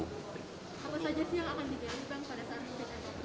apa saja sih yang akan diberi pak pada saat ini